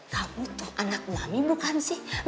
tahu tuh anak mami bukan sih